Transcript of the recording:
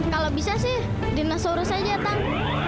kalau bisa sih dinosaurus aja tang